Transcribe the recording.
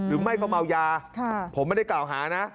หรือไม่ก็เมายาผมไม่ได้กล่าวหานะ